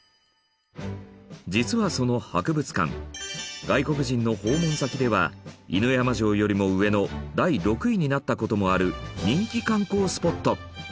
実はその博物館外国人の訪問先では犬山城よりも上の第６位になった事もある人気観光スポット。